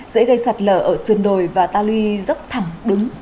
dễ gây sạt lở ở sườn đồi và ta lưu dốc thẳng đúng